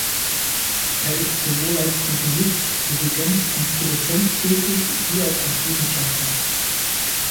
Er ist sowohl als Komponist, Dirigent und Produzent tätig wie auch als Wissenschaftler.